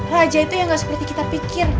raja itu yang gak seperti kita pikir